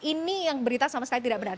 ini yang berita sama sekali tidak benar